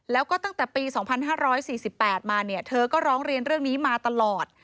แล้วก็ตั้งแต่ปี๒๕๔๘มาเนี่ยเธอก็ร้องเรียนเรื่องนี้มาตลอด